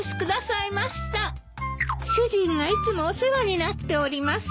主人がいつもお世話になっております。